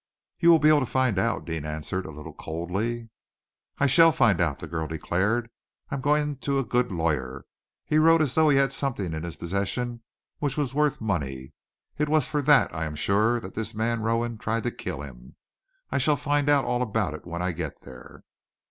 "You will be able to find out," Deane answered, a little coldly. "I shall find out," the girl declared. "I am going to a good lawyer. He wrote as though he had something in his possession which was worth money. It was for that, I am sure, that this man Rowan tried to kill him. I shall find out all about it when I get there."